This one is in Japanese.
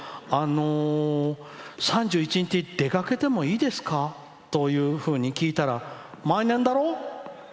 あのー、３１日出かけてもいいですか？というふうに聞いたら、毎年だろう？